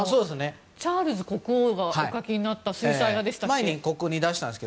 チャールズ国王がお描きになった水彩画でしたっけ。